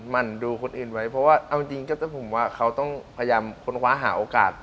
มันดูคนอื่นไว้เพราะว่าเอาจริงผมว่าเขาต้องพยายามค้นคว้าหาโอกาส